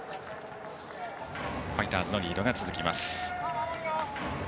ファイターズのリードが続きます。